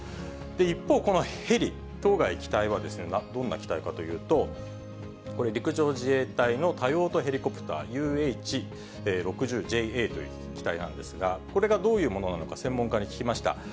一方このヘリ、当該機体はどんな機体かというと、これ、陸上自衛隊の多用途ヘリコプター、ＵＨ６０ＪＡという機体なんですが、これがどういうものなのか、専門家に聞きました。